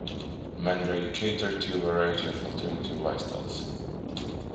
Manray catered to a variety of alternative lifestyles.